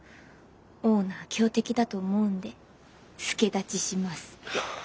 「オーナー強敵だと思うんで助太刀します」って。